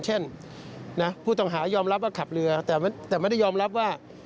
ผู้ต้องหายอมรับว่าขับเรือแต่ไม่ได้ยอมรับว่า